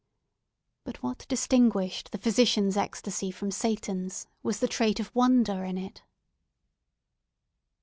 But what distinguished the physician's ecstasy from Satan's was the trait of wonder in it!